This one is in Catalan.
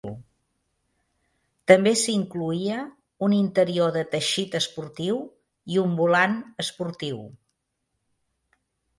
També s'incloïa un interior de teixit esportiu i un volant esportiu.